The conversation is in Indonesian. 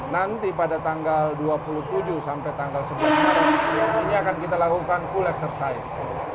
nanti pada tanggal dua puluh tujuh sampai tanggal sebelas maret ini akan kita lakukan full exercise